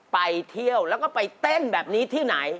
ไปเที่ยวแล้วก็ไปเต้นแบบนี้ที่ไหน